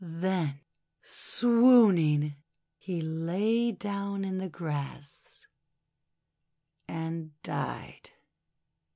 Then, swooning, he lay down in the grass, and died.